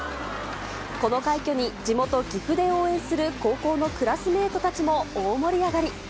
この快挙に地元、岐阜で応援する高校のクラスメートたちも大盛り上がり。